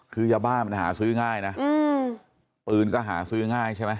คือยาบ้ามันหาซื้อง่ายนะปืนก็หาซื้อง่ายใช่ไหม